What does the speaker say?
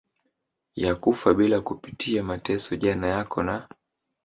ya kufa bila kupitia mateso Jana yako na